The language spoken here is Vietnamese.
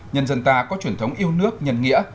nhân dân ta có truyền thống yêu nước nhân nghĩa